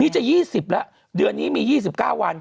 นี่จะ๒๐แล้วเดือนนี้มี๒๙วัน